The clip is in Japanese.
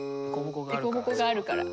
でこぼこがあるから。